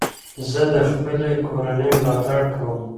زه د خپلي کورنۍ ملاتړ کوم.